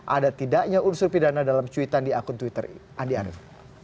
ada tidaknya unsur pidana dalam cuitan di akun twitter andi arief